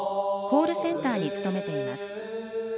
コールセンターに勤めています。